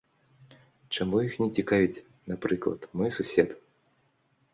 Чаму іх не цікавіць, напрыклад, мой сусед?